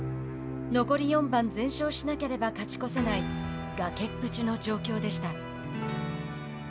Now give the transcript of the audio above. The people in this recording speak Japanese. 残り４番全勝しなければ勝ち越せない崖っぷちの状況でした。